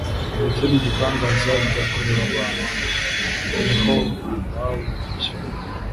ndetse n'ibitangaza byakorewe abantu, ni ho baboncye